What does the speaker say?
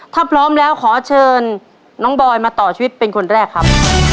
ถ้าพร้อมแล้วขอเชิญน้องบอยมาต่อชีวิตเป็นคนแรกครับ